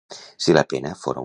Si la pena fora un sou!